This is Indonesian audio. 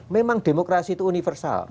memang demokrasi itu universal